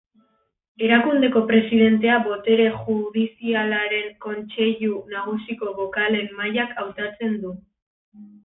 Erakundeko presidentea Botere Judizialaren Kontseilu Nagusiko bokalen mahaiak hautatzen du.